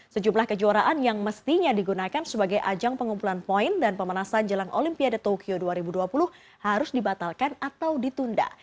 sejumlah kejuaraan yang mestinya digunakan sebagai ajang pengumpulan poin dan pemanasan jelang olimpiade tokyo dua ribu dua puluh harus dibatalkan atau ditunda